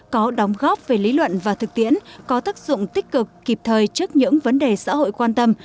có đóng góp về lý luận và thực tiễn có tác dụng tích cực kịp thời trước những vấn đề xã hội quan tâm